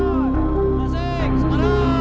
tidak ada yang tahu